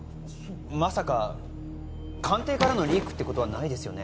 まさか官邸からのリークってことはないですよね？